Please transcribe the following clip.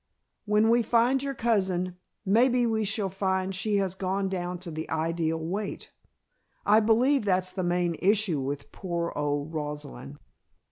When we find your cousin, maybe we shall find she has gone down to the ideal weight. I believe that's the main issue with poor old Rosalind."